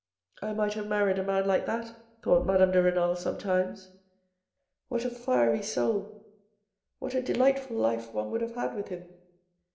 " I might have married a man like that," thought Madame de Renal sometimes. " What a fiery soul ! What a deh'ghtful life one would have with him